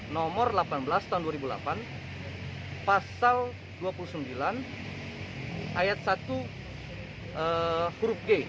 nomor delapan belas tahun dua ribu delapan pasal dua puluh sembilan ayat satu huruf g